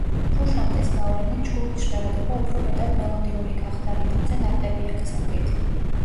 ფრუშანტეს გავლენით ჯგუფის ჟღერადობა უფრო მეტად მელოდიური გახდა, რიტმზე ნაკლები აქცენტით.